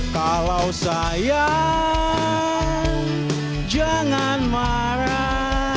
kalau sayang jangan marah